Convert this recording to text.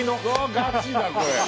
ガチだこれ。